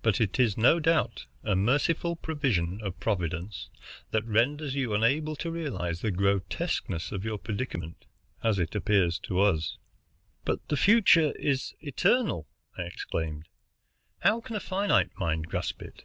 But it is no doubt a merciful provision of Providence that renders you unable to realize the grotesqueness of your predicament, as it appears to us." "But the future is eternal!" I exclaimed. "How can a finite mind grasp it?"